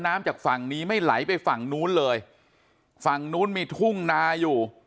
น้ำจากฝั่งนี้ไม่ไหลไปฝั่งนู้นเลยฝั่งนู้นมีทุ่งนาอยู่